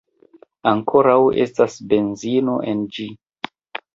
Ankoraŭ estas benzino en ĝi